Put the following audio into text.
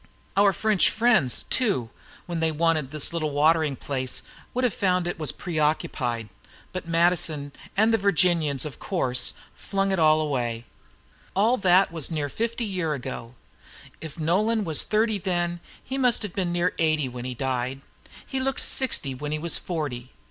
Our French friends, too, when they wanted this little watering place, would have found it was preoccupied. But Madison and the Virginians, of course, flung all that away. All that was near fifty years ago. If Nolan was thirty then, he must have been near eighty when he died. He looked sixty when he was forty.